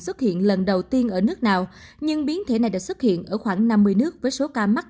xuất hiện lần đầu tiên ở nước nào nhưng biến thể này đã xuất hiện ở khoảng năm mươi nước với số ca mắc